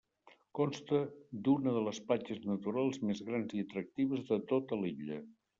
Consta d'una de les platges naturals més grans i atractives de tota l'illa.